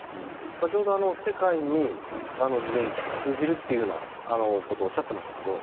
先ほど世界に通じるというようなことをおっしゃってましたけど